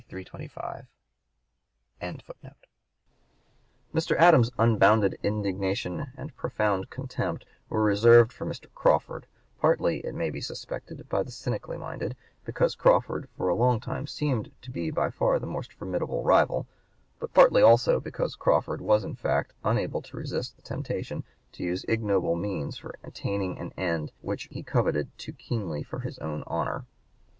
325.] Mr. Adams's unbounded indignation and profound contempt were reserved for Mr. Crawford, partly, it may be suspected by the cynically minded, because Crawford for a long time seemed to be by far the most formidable rival, but partly also because Crawford was in fact unable to resist the temptation to use ignoble means for attaining an end which he coveted too keenly for his own honor.